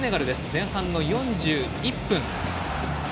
前半の４１分。